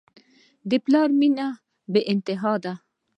د پلار مینه بېانتها ده.